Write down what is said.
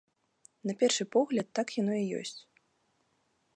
На першы погляд, так яно і ёсць.